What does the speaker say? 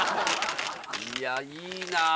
いやいいなあ。